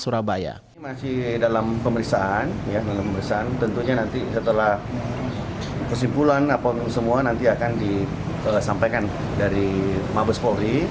masih dalam pemeriksaan tentunya nanti setelah kesimpulan apa semua nanti akan disampaikan dari mabes polri